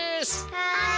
はい！